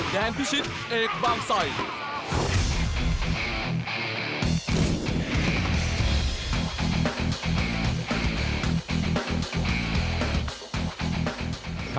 แดงพิชิษเอกบ้างไซด์